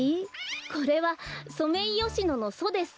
これはソメイヨシノのソです。